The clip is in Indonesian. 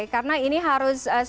karena ini harus sejalan di depan